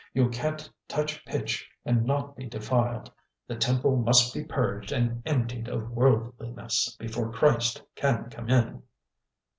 You can't touch pitch and not be defiled. The temple must be purged and emptied of worldliness before Christ can come in."